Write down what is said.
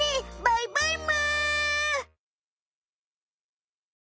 バイバイむ！